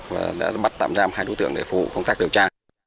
và đã bắt tạm giam hai đối tượng để phụ công tác điều tra